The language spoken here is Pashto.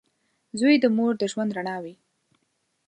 • زوی د مور د ژوند رڼا وي.